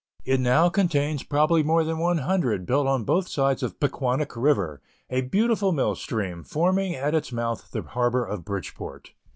It now contains probably more than one hundred, built on both sides of Pughquonnuck (Pequonnock) river, a beautiful mill stream, forming at its mouth the harbor of Bridgeport.